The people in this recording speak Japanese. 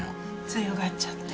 強がっちゃって。